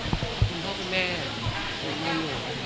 คุณพ่อคุณแม่อยู่ที่ไหน